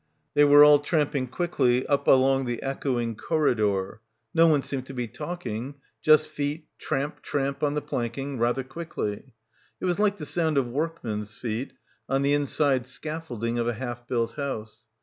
They were all tramping quickly up along the echoing corridor. No one seemed to be talking, just feet, tramp, tramp on the planking, rather quickly. It was like the sound of workmen's feet on the inside scaffolding of a half built house.